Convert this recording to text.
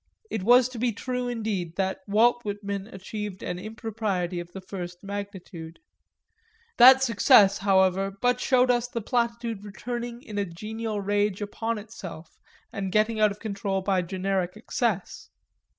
It was to be true indeed that Walt Whitman achieved an impropriety of the first magnitude; that success, however, but showed us the platitude returning in a genial rage upon itself and getting out of control by generic excess.